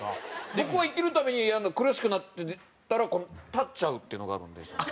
僕は生きるために苦しくなったら立っちゃうっていうのがあるんですよ。